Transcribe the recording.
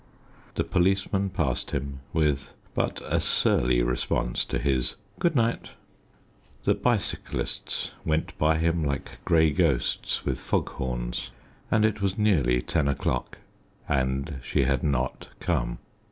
The policeman passed him with but a surly response to his "Good night." The bicyclists went by him like grey ghosts with fog horns; and it was nearly ten o'clock, and she had not come.